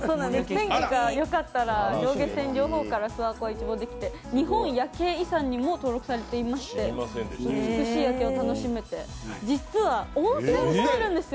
天気が良かったら、上下線両方から諏訪湖が一望できて、日本夜景遺産にも登録されていまして美しい夜景を楽しめます。